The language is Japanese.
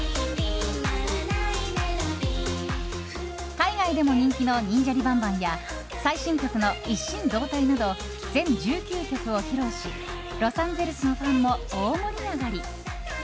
海外でも人気の「にんじゃりばんばん」や最新曲の「一心同体」など全１９曲を披露しロサンゼルスのファンも大盛り上がり。